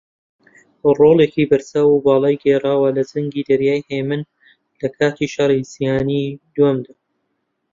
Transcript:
ڕۆڵێکی بەرچاو و باڵای گێڕاوە لە جەنگی دەریای ھێمن لەکاتی شەڕی جیهانی دووەمدا